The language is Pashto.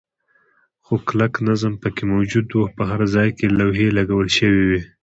خو کلک نظم پکې موجود و، په هر ځای کې لوحې لګول شوې وې.